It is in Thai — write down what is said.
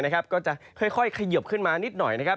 ก็จะค่อยเขยิบขึ้นมานิดหน่อยนะครับ